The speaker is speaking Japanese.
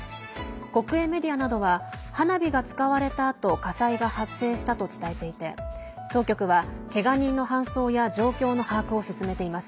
国営メディアなどは花火が使われたあと火災が発生したと伝えていて当局は、けが人の搬送や状況の把握を進めています。